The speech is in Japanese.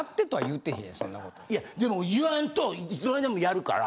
いやでも言わんといつまででもやるから。